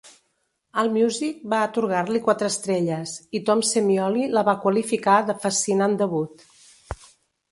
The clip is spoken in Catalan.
Allmusic va atorgar-li quatre estrelles, i Tom Semioli la va qualificar de "fascinant debut".